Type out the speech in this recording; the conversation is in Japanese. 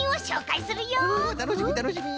たのしみたのしみ。